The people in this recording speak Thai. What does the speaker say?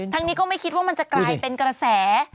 นี้ก็ไม่คิดว่ามันจะกลายเป็นกระแส